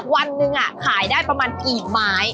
วันหนึ่งขายได้ประมาณกี่ไม้